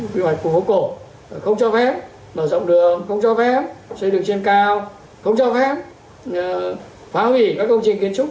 vì ngoài khu vô cổ không cho phép mở rộng đường không cho phép xây đường trên cao không cho phép phá hủy các công trình kiến trúc